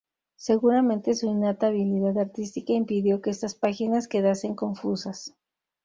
Seguramente su innata habilidad artística impidió que estas páginas quedasen confusas.